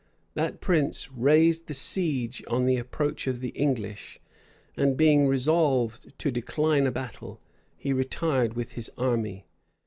That prince raised the siege on the approach of the English; and being resolved to decline a battle, he retired with his army.